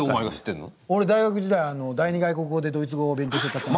俺、大学時代第２外国語でドイツ語を勉強しよったっちゃ。